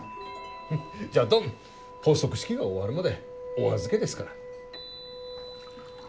じゃっどん発足式が終わるまでお預けですから。